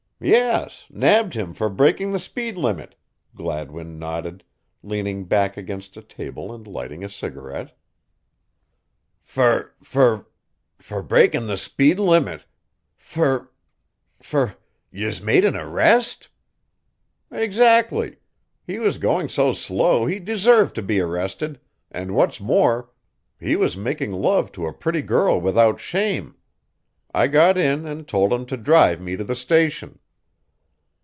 "Yes, nabbed him for breaking the speed limit," Gladwin nodded, leaning back against a table and lighting a cigarette. "Fer, fer, fer breakin' the speed limit; fer, fer yez made an arrest?" "Exactly! He was going so slow he deserved to be arrested, and what's more, he was making love to a pretty girl without shame. I got in and told him to drive me to the station."